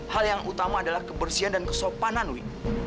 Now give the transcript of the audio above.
hal yang utama adalah kebersihan dan kesopanan wi